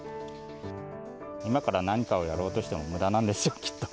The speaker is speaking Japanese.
今から何かをやろうとしてもむだなんですよ、きっと。